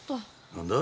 何だ？